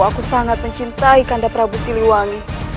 aku sangat mencintai kanda prabu siliwangi